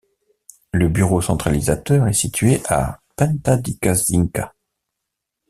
Le bureau centralisateur est situé à Penta-di-Casinca.